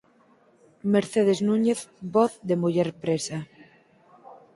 Mercedes Núñez, voz de muller presa